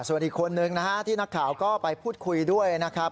ส่วนอีกคนนึงนะฮะที่นักข่าวก็ไปพูดคุยด้วยนะครับ